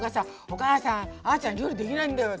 「お母さんあちゃん料理できないんだよ」